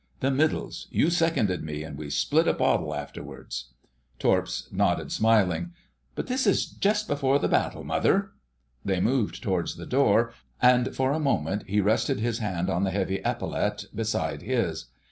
The Middles: you seconded me, and we split a bottle afterwards...?" Torps nodded, smiling. "But this is 'Just before the battle, mother!'" They moved towards the door, and for a moment he rested his hand on the heavy epaulette beside his.